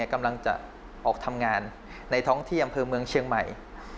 กำลังจะออกทำงานในท้องที่อำเภอเมืองเชียงใหม่